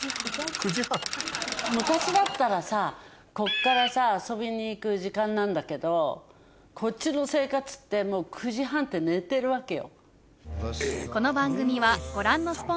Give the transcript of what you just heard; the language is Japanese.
昔だったらさこっからさ遊びに行く時間なんだけどこっちの生活ってもう９時半って寝てるわけよ。